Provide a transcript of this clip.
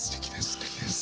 すてきです。